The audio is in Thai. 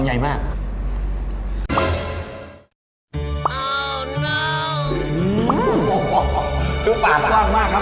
อร่อยเชียบแน่นอนครับอร่อยเชียบแน่นอนครับ